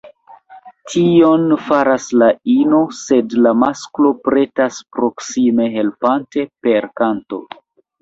Tion faras la ino, sed la masklo pretas proksime helpante “per kanto”.